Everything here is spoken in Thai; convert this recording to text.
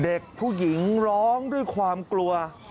เด็กผู้หญิงร้องด้วยความกลัว